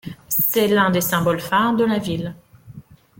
C'est l'un des symboles phares de la ville.